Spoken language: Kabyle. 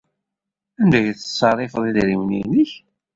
Anda ay tettṣerrifeḍ idrimen-nnek?